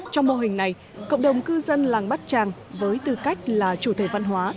trong mô hình này cộng đồng cư dân làng bát tràng với tư cách là chủ thể văn hóa